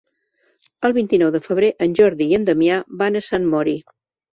El vint-i-nou de febrer en Jordi i en Damià van a Sant Mori.